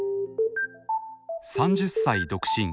３０歳独身。